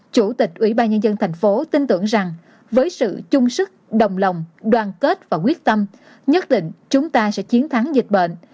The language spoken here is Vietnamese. chủ tịch ubnd tp hcm tin tưởng rằng với sự chung sức đồng lòng đoàn kết và quyết tâm nhất định chúng ta sẽ chiến thắng dịch bệnh